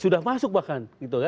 sudah masuk bahkan